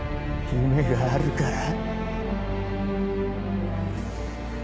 夢があるから。